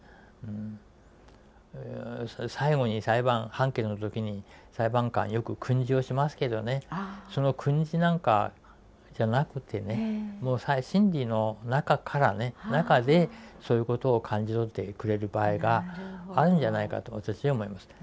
最後に裁判判決の時に裁判官よく訓示をしますけどねその訓示なんかじゃなくてねもう審理の中からね中でそういうことを感じ取ってくれる場合があるんじゃないかと私は思いました。